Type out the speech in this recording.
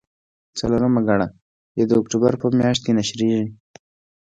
څلورمه ګڼه یې د اکتوبر په میاشت کې نشریږي.